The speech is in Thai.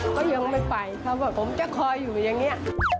เขายังไม่ไปเขาบอกผมจะคอยอยู่อย่างนี้